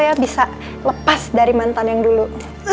saya bisa lepas dari mantan yang dulu